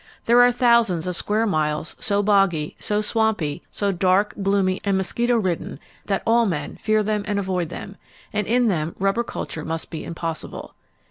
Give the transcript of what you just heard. There are thousands of square miles so boggy, so swampy, so dark, gloomy and mosquito ridden that all men fear them and avoid them, and in them rubber culture must be impossible.